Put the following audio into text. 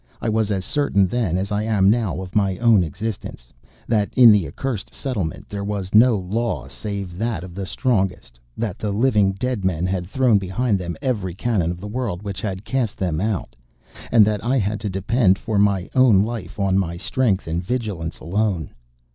I was as certain then as I am now of my own existence, that in the accursed settlement there was no law save that of the strongest; that the living dead men had thrown behind them every canon of the world which had cast them out; and that I had to depend for my own life on my strength and vigilance alone.